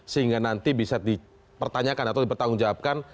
sehingga nanti bisa dipertanyakan atau dipertanggungjawabkan